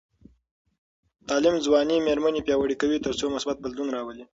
تعلیم ځوانې میرمنې پیاوړې کوي تر څو مثبت بدلون راولي.